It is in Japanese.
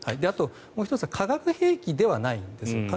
あと、もう１つは化学兵器ではないんです。